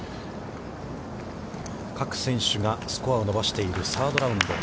各選手がスコアを伸ばしているサードラウンド。